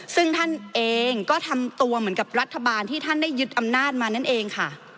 ซึ่งท่านเองก็ทำตัวเหมือนกับรัฐบาลที่ท่านได้ยึดอำนาจมานั่นเองค่ะ